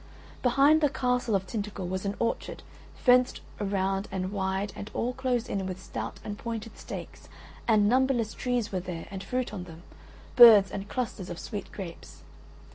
Behind the castle of Tintagel was an orchard fenced around and wide and all closed in with stout and pointed stakes and numberless trees were there and fruit on them, birds and clusters of sweet grapes.